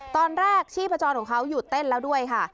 ตอนแรกชีพจรของเขาหยุดเต้นแล้วด้วยค่ะ